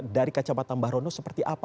dari kacau mata mbah rono seperti apa